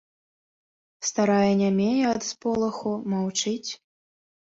Старая нямее ад сполаху, маўчыць.